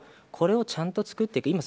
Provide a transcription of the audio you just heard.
これをちゃんと作っていく。